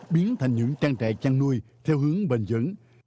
biến thành những trang trại chăn nuôi theo hướng bền dẫn